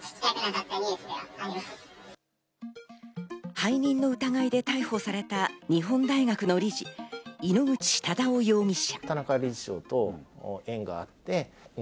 背任の疑いで逮捕された日本大学の理事・井ノ口忠男容疑者。